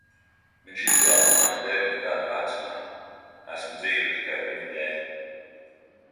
Viņš izglāba mani deviņu gadu vecumā. Esmu dzīva tikai viņa dēļ.